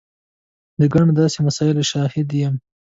د ګڼو داسې مسایلو شاهد یم.